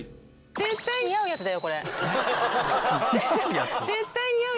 絶対似合うやつだよ。